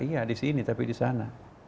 iya di sini tapi di sana